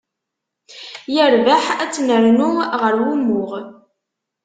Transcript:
Yerbeḥ, ad tt-nernu ɣer wumuɣ.